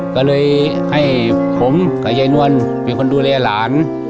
ก็เลยให้ผมกับยายนวลเป็นคนดูแลหลาน